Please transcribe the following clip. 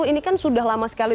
ini kan sudah lama sekali